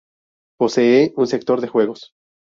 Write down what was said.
Posee un sector de juegos.